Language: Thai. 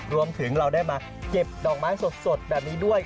รวมถึงเราได้มาเก็บดอกไม้สดแบบนี้ด้วย